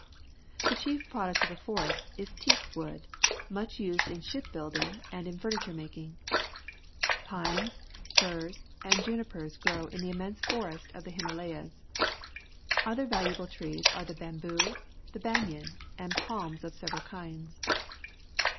The chief product of the forests is teak wood, much used in ship building and in 216 PUBLIC SCHOOL GEOGR.IPHY furniture making. Pines ,. firs, and junipers grow in the immense forests of the Hima layas. Other valuable trees are the b amboo. the banyan, and palms of several kinds.